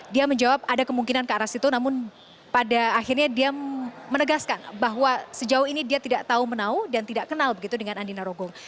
dia menjawab ada kemungkinan ke arah situ namun pada akhirnya dia menegaskan bahwa sejauh ini dia tidak tahu menau dan tidak kenal begitu dengan andina rogong